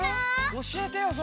おしえてよそれ！